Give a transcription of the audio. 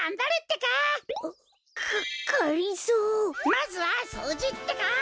まずはそうじってか。